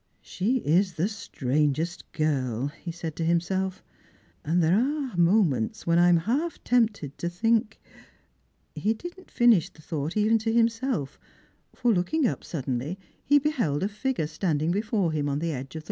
" She is the strangest girl," he said to himself, "and there are moments when I am half tempted to think " He did not finish the thought even to himself, for looking up suddenly he beheld a figure standing before him on the edge of 140 Strangers and Pilffrimg.